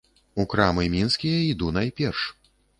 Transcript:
У крамы мінскія іду найперш.